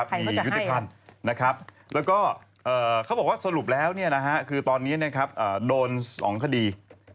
มียุติภัณฑ์และเขาบอกว่าสรุปแล้วตอนนี้โดน๒คดี